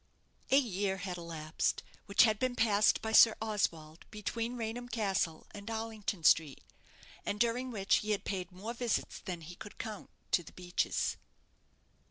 A year had elapsed, which had been passed by Sir Oswald between Raynham Castle and Arlington Street, and during which he had paid more visits than he could count to "The Beeches."